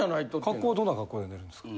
格好はどんな格好で寝るんですか？